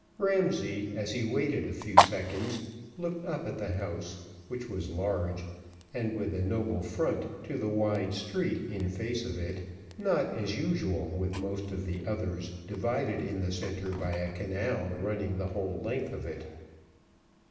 Ramsay, as he waited a few seconds, looked up at the house, which was large and with a noble front to the wide street in face of it, not, as usual with most of the others, divided in the centre by a canal running the whole length of it.